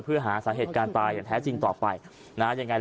เพื่อหาสาเหตุการณ์ตายอย่างแท้จริงต่อไปนะยังไง